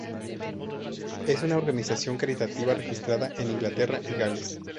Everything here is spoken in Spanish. Es una organización caritativa registrada en Inglaterra y Gales.